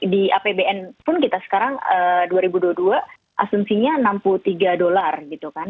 di apbn pun kita sekarang dua ribu dua puluh dua asumsinya enam puluh tiga dolar gitu kan